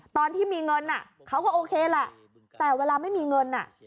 ตอนที่มีเงินเขาก็โอเคแหละแต่เวลาไม่มีเงิน